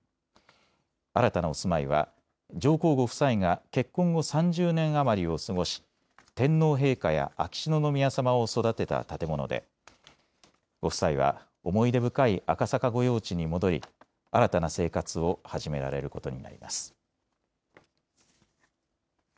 新たなお住まいは上皇ご夫妻が結婚後３０年余りを過ごし、天皇陛下や秋篠宮さまを育てた建物でご夫妻は思い出深い赤坂御用地に戻り新たな生活を始められることになります。